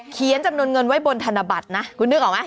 จำนวนเงินไว้บนธนบัตรนะคุณนึกออกไหม